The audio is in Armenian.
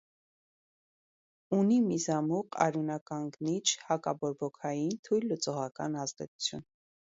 Ունի միզամուղ, արյունականգնիչ , հակաբորբոքային, թույլ լուծողական ազդեցություն։